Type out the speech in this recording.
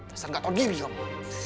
rasanya gak tau diri kamu